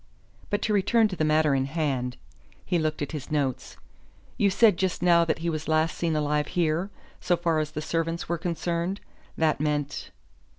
But to return to the matter in hand." He looked at his notes. "You said just now that he was last seen alive here, 'so far as the servants were concerned.' That meant